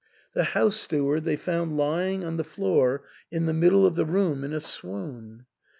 The house steward they found lying on the floor in the middle of the room in a swoon.